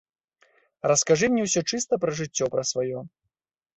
Раскажы мне ўсё чыста пра жыццё пра сваё.